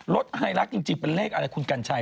ไฮลักษ์จริงเป็นเลขอะไรคุณกัญชัย